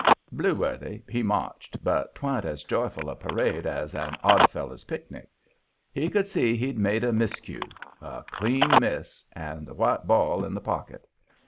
Blueworthy, he marched, but 'twa'n't as joyful a parade as an Odd Fellers' picnic. He could see he'd made a miscue a clean miss, and the white ball in the pocket.